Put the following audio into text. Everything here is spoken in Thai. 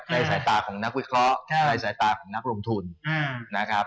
ในสายตาของนักวิเคราะห์ในสายตาของนักลงทุนนะครับ